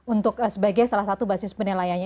untuk sebagai salah satu basis penilaiannya